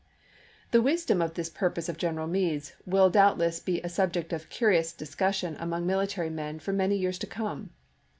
The wisdom of this purpose of General Meade's will doubtless be a subject of curious discussion among military men for many years to come.